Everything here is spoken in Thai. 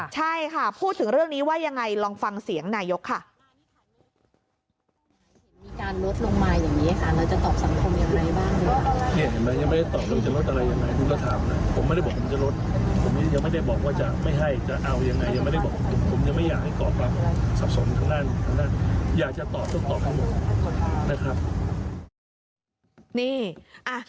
ใช่ค่ะพูดถึงเรื่องนี้ว่ายังไงลองฟังเสียงนายกค่ะ